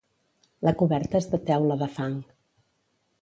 La coberta és de teula de fang.